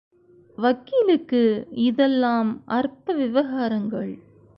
வக்கீலுக்கு இதெல்லாம் அற்ப விவகாரங்கள்.